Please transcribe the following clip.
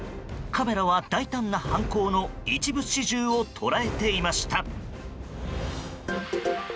カメラは大胆な犯行の一部始終を捉えていました。